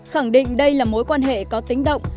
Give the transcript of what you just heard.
khẳng định đây là mối quan hệ có tính động